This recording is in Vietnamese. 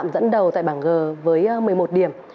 dẫn đầu tại bảng g với một mươi một điểm